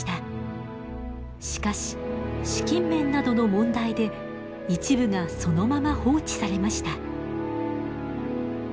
しかし資金面などの問題で一部がそのまま放置されました。